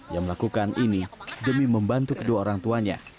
yang melakukan ini demi membantu kedua orang tuanya